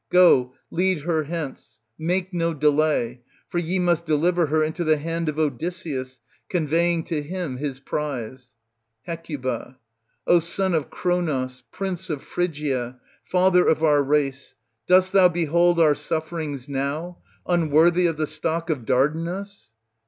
Go, lead her hence, make no delay, for ye must deliver her into the hand of Odysseus, conveying to him his prize. Hec. O son of Cronos, prince of Phrygia, father of our race, dost thou behold our sufferings now, unworthy of the stock of Dardanus?